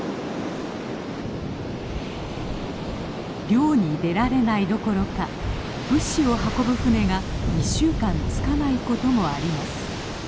漁に出られないどころか物資を運ぶ船が１週間着かないこともあります。